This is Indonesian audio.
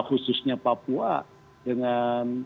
khususnya papua dengan